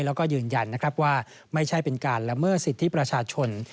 แล้วก็ยืนยันนะครับว่าไม่ใช่เป็นการละเมิดสิทธิประชาชน